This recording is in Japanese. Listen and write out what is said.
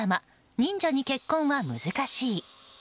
「忍者に結婚は難しい」。